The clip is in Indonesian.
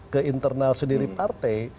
ke internal sendiri partai